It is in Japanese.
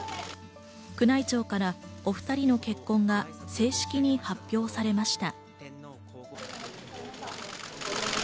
宮内庁からお２人の結婚が正式に発表されました。